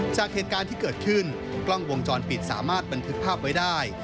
จากเหตุการณ์ที่เกิดขึ้นกล้องวงจรปิดสามารถบันทึกภาพไว้ได้